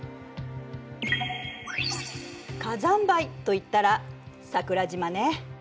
火山灰といったら桜島ね。